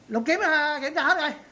lục kiếm kiểm tra hết rồi